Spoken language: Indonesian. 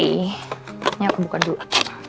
ini aku buka dulu